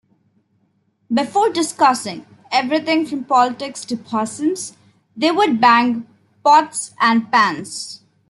Before discussing "everything from politics to 'possums" they would bang pots and pans.